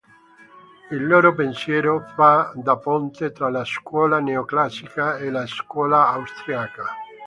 Il loro pensiero fa da ponte tra la "scuola neoclassica" e la "scuola austriaca".